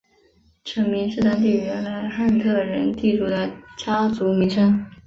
城名是当地原来汉特人地主的家族名称。